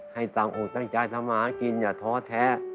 ให้ตามอุตจังใจสมากินอย่าท้อแท้